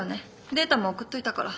データも送っといたから。